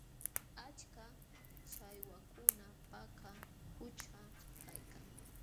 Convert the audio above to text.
Achka challwakuna Paka qućha kaykan.